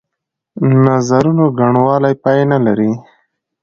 نظرونو ګڼوالی پای نه لري.